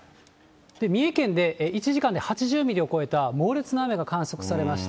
三重県で１時間で８０ミリを超えた猛烈な雨が観測されました。